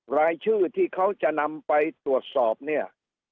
รายชื่อที่เขาจะนำไปตรวจสอบเนี่ย